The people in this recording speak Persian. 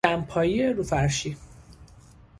دمپایی رو فرشی